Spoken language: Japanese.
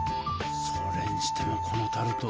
それにしてもこのタルト